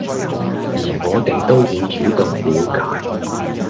而我哋都會主動了解